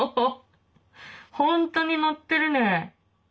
本当に載ってるね。